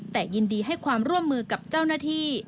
แต่ยินดีให้ความร่วมมือกับเจ้าหน้าที่